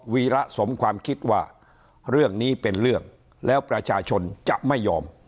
วีระสมความคิดว่าเรื่องนี้เป็นเรื่องแล้วประชาชนจะไม่ยอม